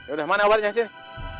udah mana obatnya sini